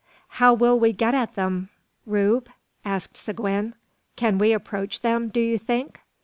"How will we get at them, Rube?" asked Seguin; "can we approach them, do you think?"